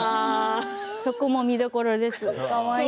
そこも見どころです。